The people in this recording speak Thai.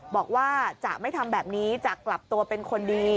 บอกว่าจะไม่ทำแบบนี้จะกลับตัวเป็นคนดี